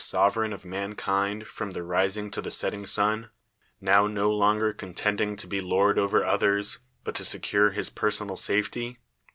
sovereign of mankind from the rising to the I setting sun ; now no longer contending to be I lord over others, but to secure his ])ersonal safe ; ty?